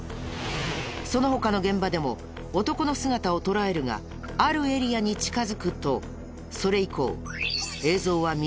その他の現場でも男の姿を捉えるがあるエリアに近づくとそれ以降映像は見つからない。